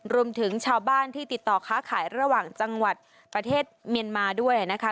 รวมถึงชาวบ้านที่ติดต่อค้าขายระหว่างจังหวัดประเทศเมียนมาด้วยนะคะ